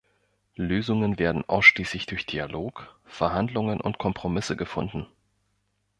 Lösungen werden ausschließlich durch Dialog, Verhandlungen und Kompromisse gefunden.